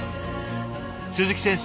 鈴木先生